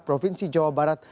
provinsi jawa barat